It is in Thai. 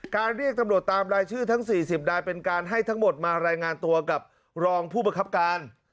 เรียกตำรวจตามรายชื่อทั้ง๔๐นายเป็นการให้ทั้งหมดมารายงานตัวกับรองผู้ประคับการ